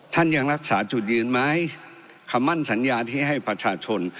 ยังรักษาจุดยืนไหมคำมั่นสัญญาที่ให้ประชาชน